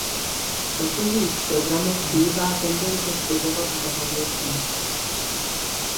V takových programech bývá tendence slibovat mnoho věcí.